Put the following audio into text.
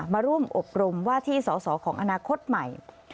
มาร่วมอบรมว่าที่สอสอของอนาคตใหม่